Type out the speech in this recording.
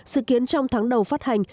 sự kiến trong tháng đầu phát hành